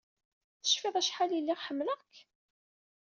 Tecfiḍ acḥal ay lliɣ ḥemmleɣ-k?